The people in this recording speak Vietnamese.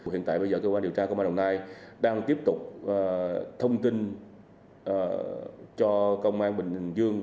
hiện tại bây giờ cơ quan điều tra công an đồng nai đang tiếp tục thông tin cho công an bình dương